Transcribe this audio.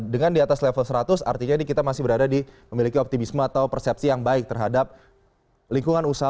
dengan di atas level seratus artinya ini kita masih berada di memiliki optimisme atau persepsi yang baik terhadap lingkungan usaha